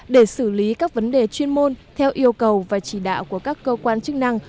để xử lý các vấn đề chuyên môn theo yêu cầu và chỉ đạo của các cơ quan chức năng